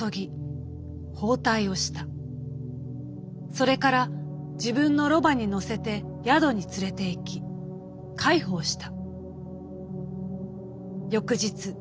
「それから自分のろばに乗せて宿に連れていき介抱した」。